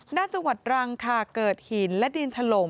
หน้าจังหวัดรังค่ะเกิดหินและดินถล่ม